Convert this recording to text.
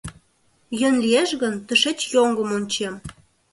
Йӧн лиеш гын, тышеч йоҥгым ончем.